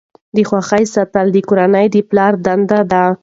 د خوښۍ ساتل د کورنۍ د پلار دنده ده.